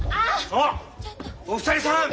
おっお二人さん！